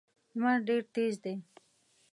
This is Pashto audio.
لمر ډېر تېز دی.